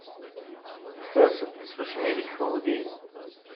Ters-d tsusmi deg teẓgi.